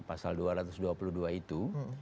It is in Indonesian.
pasal dua ratus dua puluh dua itu